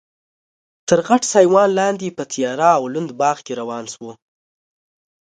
تر غټ سایبان لاندې په تیاره او لوند باغ کې روان شوو.